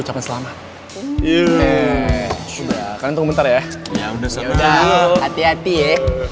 selama lamanya ya udah hati hati ya